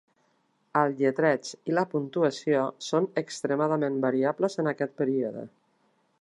El lletreig i la puntuació són extremadament variables en aquest període.